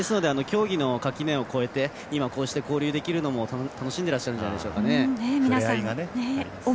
競技の垣根を超えて交流できるのも楽しんでらっしゃるんじゃないでしょうか。